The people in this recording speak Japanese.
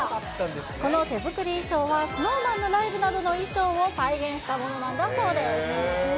この手作り衣装はＳｎｏｗＭａｎのライブなどの衣装を再現したものなんだそうです。